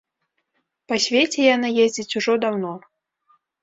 Па свеце яна ездзіць ужо даўно.